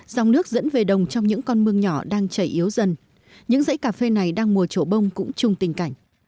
dòng nước dẫn về đồng trong những con mương nhỏ đang chảy yếu dần những dãy cà phê này đang mùa trổ bông cũng chung tình cảnh